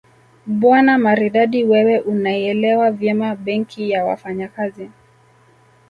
Bwana Maridadi wewe unaielewa vyema Benki ya Wafanyakazi